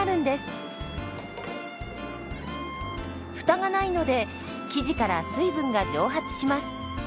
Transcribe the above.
フタがないので生地から水分が蒸発します。